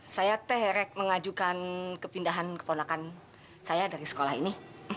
saya teh mengajukan kepindahan keponakan saya dari sekolah ini